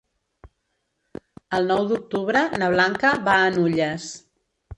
El nou d'octubre na Blanca va a Nulles.